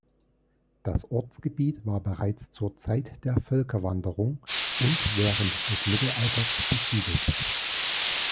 Das Ortsgebiet war bereits zur Zeit der Völkerwanderung und während des Mittelalters besiedelt.